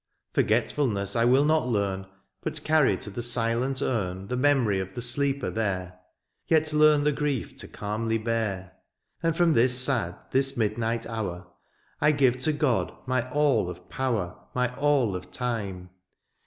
^^ Forgetfulness I will not learn, ^^ But carry to the silent urn ^^ The memory of the sleeper there, ^^ Yet learn the grief to calmly bear ;^^ And from this sad, this midnight hour, I give to God my aU of power. My all of time.